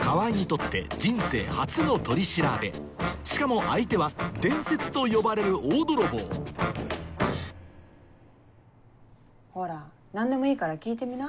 しかも相手は伝説と呼ばれる大泥棒ほら何でもいいから聞いてみな。